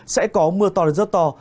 sẽ có mưa to đến giấc to